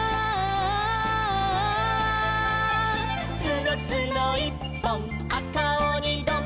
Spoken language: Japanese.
「つのつのいっぽんあかおにどん」